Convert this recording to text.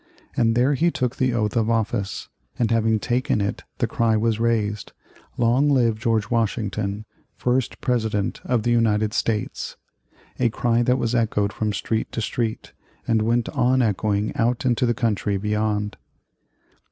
And there he took the oath of office, and having taken it the cry was raised, "Long Live George Washington, First President of the United States," a cry that was echoed from street to street, and went on echoing out into the country beyond.